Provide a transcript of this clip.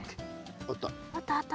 あった。